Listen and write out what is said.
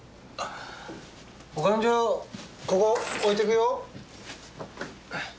お勘定ここ置いとくよ。